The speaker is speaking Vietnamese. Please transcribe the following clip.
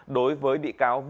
đối với bị cáo vương văn